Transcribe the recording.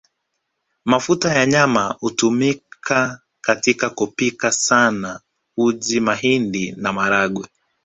Mafuta ya nyama hutumika katika kupika sana uji mahindi na maharagwe